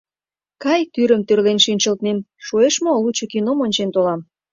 Кай, тӱрым тӱрлен шинчылтмем шуэш мо, лучо кином ончен толам.